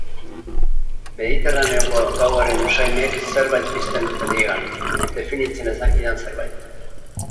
Mediterraneoko gauaren usainek zerbait pizten dute nigan, definitzen ez dakidan zerbait.